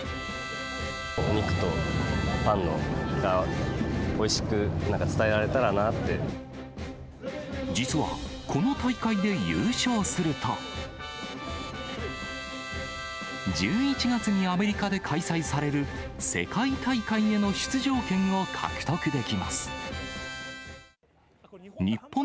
お肉とパンのおいしく、実は、この大会で優勝すると、１１月にアメリカで開催される、世界大会への出場権を獲得できます。